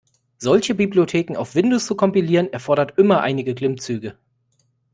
Solche Bibliotheken auf Windows zu kompilieren erfordert immer einige Klimmzüge.